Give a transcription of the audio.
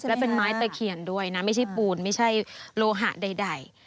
และเป็นไม้ตะเคียนด้วยนะไม่ใช่ปูนไม่ใช่โลหะใด